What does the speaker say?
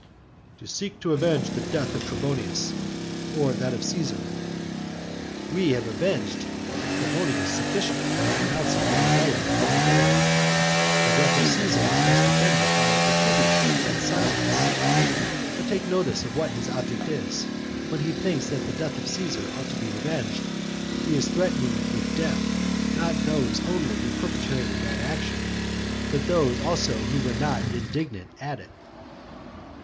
"To seek to avenge the death of Trebonius, or that of Caesar." We have avenged Trebonius sufficiently by pronouncing Dolabella a public enemy. The death of Caesar is best defended by oblivion and silence. But take notice what his object is. When he thinks that the death of Caesar ought to be revenged, he is threatening with death, not those only who perpetrated that action, but those also who were not indignant at it.